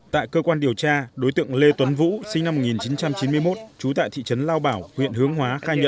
tại cơ quan điều tra đối tượng lê tuấn vũ sinh năm một nghìn chín trăm chín mươi một trú tại thị trấn lao bảo huyện hướng hóa khai nhận